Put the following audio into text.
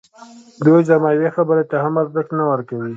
دوی زما یوې خبري ته هم ارزښت نه ورکوي.